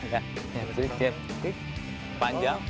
jab straight jab straight panjang